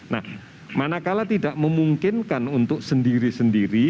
nah manakala tidak memungkinkan untuk sendiri sendiri